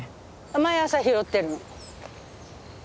毎朝拾ってるの。